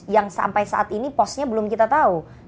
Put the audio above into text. yang sampai saat ini posnya belum kita tahu